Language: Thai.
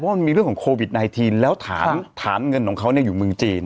มันมีเรื่องของโควิด๑๙แล้วฐานเงินของเขาอยู่เมืองจีน